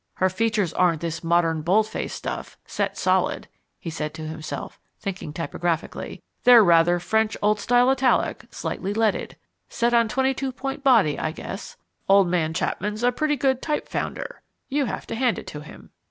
Her features aren't this modern bold face stuff, set solid," he said to himself, thinking typographically. "They're rather French old style italic, slightly leaded. Set on 22 point body, I guess. Old man Chapman's a pretty good typefounder, you have to hand it to him."